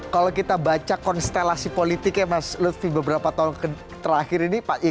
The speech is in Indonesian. kalau kita baca konstelasi politiknya mas lutfi beberapa tahun terakhir ini